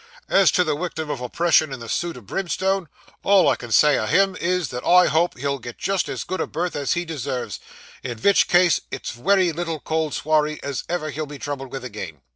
As to the wictim of oppression in the suit o' brimstone, all I can say of him, is, that I hope he'll get jist as good a berth as he deserves; in vitch case it's wery little cold swarry as ever he'll be troubled with agin.